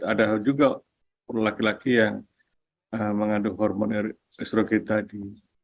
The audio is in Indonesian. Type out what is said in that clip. ada juga laki laki yang mengandung hormon srog tadi